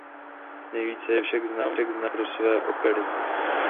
Nejvíce je však znám pro své opery.